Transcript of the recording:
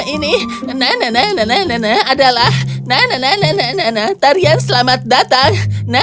ini adalah tarian selamat datang